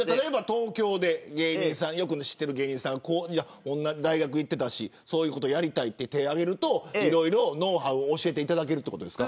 東京でよく知っている芸人さん大学行っていたしそういうことやりたいと手を挙げるといろいろノウハウを教えていただけるんですか。